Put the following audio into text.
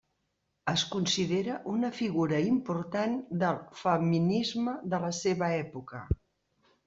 Es considera una figura important del feminisme de la seva època.